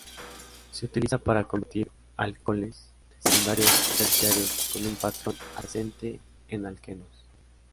Se utiliza para convertir alcoholes secundarios y terciarios con un protón adyacente en alquenos.